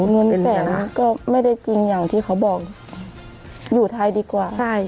เงินแสนก็ไม่ได้จริงอย่างที่เขาบอกอยู่ไทยดีกว่าใช่